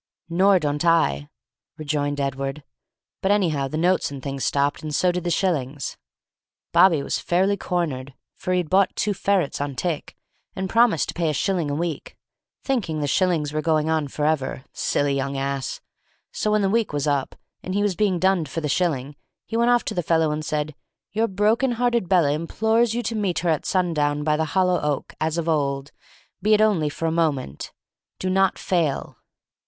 "Nor don't I," rejoined Edward. "But anyhow the notes and things stopped, and so did the shillings. Bobby was fairly cornered, for he had bought two ferrets on tick, and promised to pay a shilling a week, thinking the shillings were going on for ever, the silly young ass. So when the week was up, and he was being dunned for the shilling, he went off to the fellow and said, 'Your broken hearted Bella implores you to meet her at sundown, by the hollow oak, as of old, be it only for a moment. Do not fail!'